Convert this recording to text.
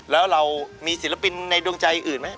แล้วเรามีศิลปินในดวงใจอื่นไหม